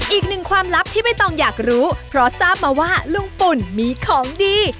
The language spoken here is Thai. อีกหนึ่งความลับที่ใบตองอยากรู้เพราะทราบมาว่าลุงปุ่นมีของดี